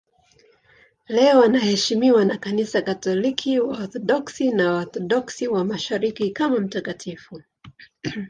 Leo anaheshimiwa na Kanisa Katoliki, Waorthodoksi na Waorthodoksi wa Mashariki kama mtakatifu.